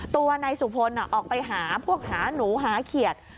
ตัวนายสุพลออกไปหาพวกหาหนูหาเขียด